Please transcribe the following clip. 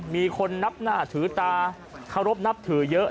มีคนนับหน้าถือตาเคารพนับถือเยอะ